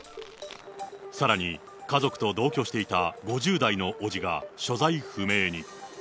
さらに、家族と同居していた５０代の伯父が所在不明に。